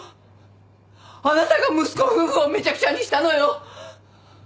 あなたが息子夫婦をめちゃくちゃにしたのよ。